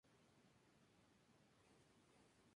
Estás son las presentes tradiciones y sus respectivas esferas